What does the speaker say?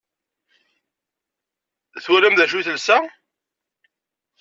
Twalam d acu i telsa?